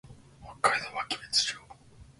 北海道湧別町